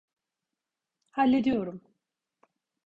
Hallediyorum.